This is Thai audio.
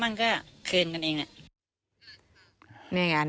มั่งก็คืนกันเองน่ะเนี่ยไงห๊ะ